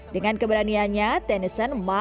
dengan keberaniannya tennyson mampu melawan semua masalah